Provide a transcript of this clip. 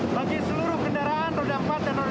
bagi seluruh kendaraan roda empat dan roda dua di kota bogor